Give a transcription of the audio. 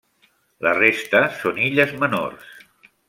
La resta són illes menors.